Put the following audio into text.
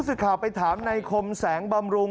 ก็เลยจะเลี้ยวเข้าไปรถมันก็ตกหลุม